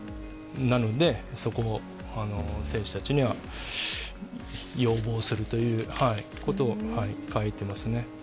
なので、そこを選手たちには要望するということを書いてますね。